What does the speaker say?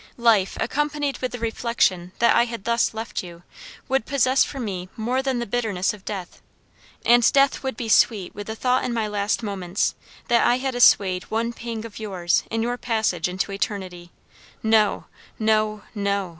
Life, accompanied with the reflection that I had thus left you, would possess for me more than the bitterness of death; and death would be sweet with the thought in my last moments, that I had assuaged one pang of yours in your passage into eternity No! no! no!"